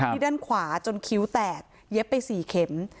ด้านขวาจนคิ้วแตกเย็บไป๔เข็ม